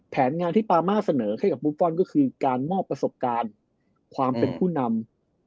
แผนงานที่ปามาเสนอให้กับบุฟฟอลก็คือการมอบประสบการณ์ความเป็นผู้นำ